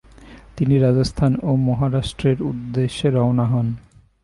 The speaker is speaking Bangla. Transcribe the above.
তিনি রাজস্থান ও মহারাষ্ট্রের উদ্দেশ্যে রওনা হন।